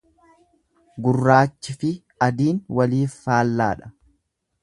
Gurraachi fi adiin waliif faallaadha.